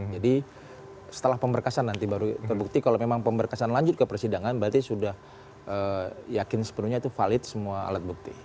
jadi setelah pemberkasan nanti baru terbukti kalau memang pemberkasan lanjut ke persidangan berarti sudah yakin sepenuhnya itu valid semua alat bukti